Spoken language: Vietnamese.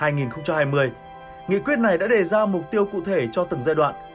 nghị quyết này đã đề ra mục tiêu cụ thể cho từng giai đoạn